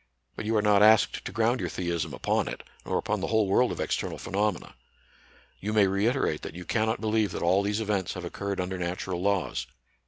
But you are not asked to ground your theism upon it, nor upon the whole world of external phenomena. You may reiterate that you cannot believe that aU these events have occurred under natural laws.